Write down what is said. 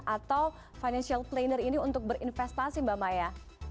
atau financial planner ini untuk berinvestasi mbak maya